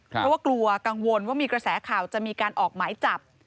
เพราะว่ากลัวกังวลว่ามีกระแสข่าวจะมีการออกหมายจับ